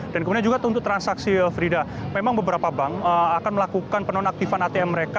dan kemudian juga untuk transaksi frida memang beberapa bank akan melakukan penonaktifan atm mereka